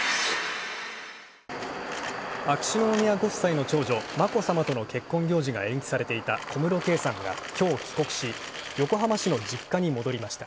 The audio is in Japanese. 秋篠宮ご夫妻の長女、眞子さまとの結婚行事が延期されていた小室圭さんが今日、帰国し、横浜市の実家の戻りました。